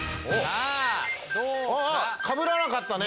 ああっかぶらなかったね！